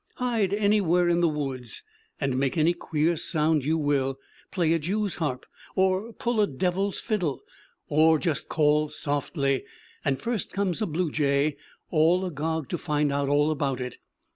Hide anywhere in the woods, and make any queer sound you will play a jews' harp, or pull a devil's fiddle, or just call softly and first comes a blue jay, all agog to find out all about it.